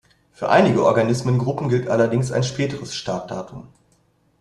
Für einige Organismengruppen gilt allerdings ein späteres „Startdatum“.